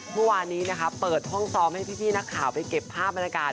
เมื่อวานนี้นะคะเปิดห้องซ้อมให้พี่นักข่าวไปเก็บภาพบรรยากาศ